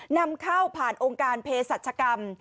นำเข้าผ่านองค์การเพศรัชกรรม